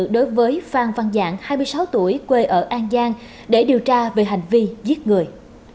đối với phan văn giang hai mươi sáu tuổi quê ở an giang để điều tra về hành vi giết người